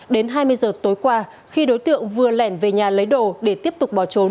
đến hai mươi giờ tối qua khi đối tượng vừa lẻn về nhà lấy đồ để tiếp tục bỏ trốn